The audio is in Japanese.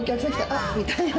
「あっ！」みたいな。